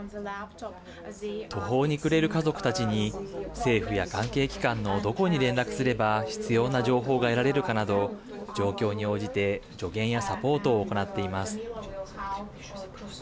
途方に暮れる家族たちに政府や関係機関のどこに連絡すれば必要な情報が得られるかなど状況に応じて助言やサポートを行っています。